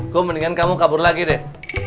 gue mendingan kamu kabur lagi deh